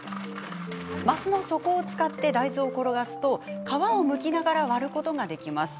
升の底を使って大豆を転がすと皮をむきながら割ることができます。